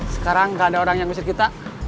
sekarang nggak ada orang yang ngusir kita